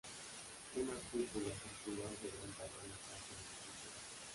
Una cúpula circular de gran tamaño se alza en el crucero.